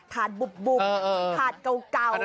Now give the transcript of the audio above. ถาดบุบถาดเก่า